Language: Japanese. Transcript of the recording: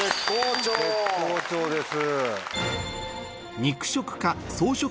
絶好調です。